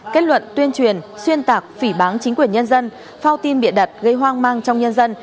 kết luận tuyên truyền xuyên tạc phỉ bán chính quyền nhân dân phao tin bịa đặt gây hoang mang trong nhân dân